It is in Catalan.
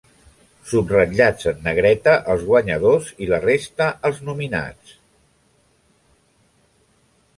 Subratllats en negreta els guanyadors i la resta els nominats.